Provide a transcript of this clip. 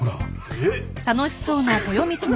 えっ！